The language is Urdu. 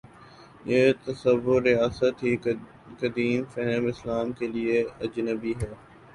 یہ تصور ریاست ہی قدیم فہم اسلام کے لیے اجنبی ہے۔